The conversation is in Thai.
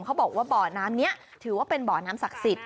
เขาบอกว่าบ่อน้ำนี้ถือว่าเป็นบ่อน้ำศักดิ์สิทธิ